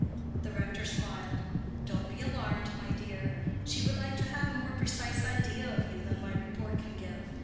The rector smiled. "Don't be alarmed, my dear. She would like to have a more precise idea of you than my report can give.